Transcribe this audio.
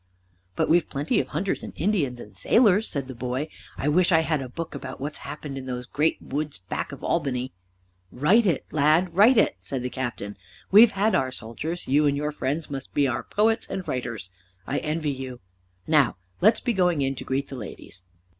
"But we've plenty of hunters and Indians and sailors," said the boy; "I wish I had a book about what's happened in those great woods back of Albany." "Write it, lad, write it," said the Captain. "We've had our soldiers, you and your friends must be our poets and writers. I envy you. Now let us be going in to greet the ladies."